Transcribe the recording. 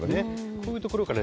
こういうところから。